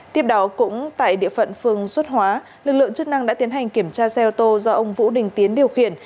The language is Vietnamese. tiếp đó cũng tại địa phận phương xuất hóa lực lượng chức năng đã tiến hành kiểm tra xe ô tô do ông vũ đình tiến điều khiển